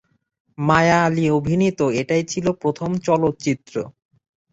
মায়া আলী অভিনীত এটাই ছিলো প্রথম চলচ্চিত্র।